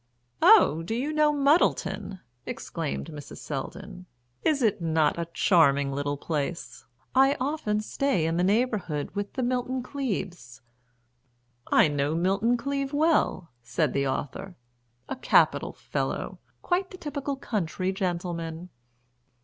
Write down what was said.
"Oh, do you know Muddleton?" exclaimed Mrs. Selldon. "Is it not a charming little place? I often stay in the neighbourhood with the Milton Cleaves." "I know Milton Cleave well," said the author. "A capital fellow, quite the typical country gentleman."